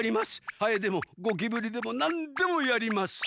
ハエでもゴキブリでもなんでもやります。